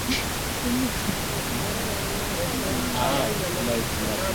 wasiri sana Wachagga na muhogo Inasemekana kuwa Mchagga halisi hali muhogo akila muhogo atakufa